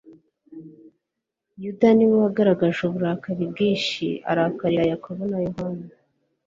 Yuda ni we wagaragaj e ubukana bwinshi, arakarira Yakobo na Yohana.